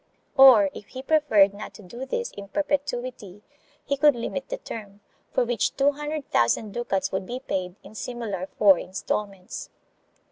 Or, if he preferred not to do this in perpetuity, he could limit the term, for which two hundred thousand ducats would be paid, in similar four instalments.